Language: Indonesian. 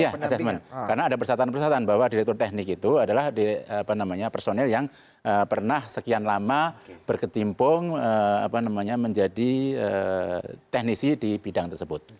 iya assessment karena ada persatuan persyaratan bahwa direktur teknik itu adalah personil yang pernah sekian lama berketimpung menjadi teknisi di bidang tersebut